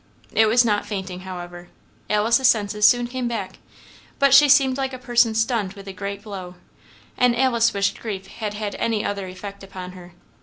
It was not fainting, however; Ellen's senses soon came back; but she seemed like a person stunned with a great blow, and Alice wished grief had had any other effect upon her.